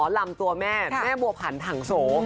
ลำตัวแม่แม่บัวผันถังโส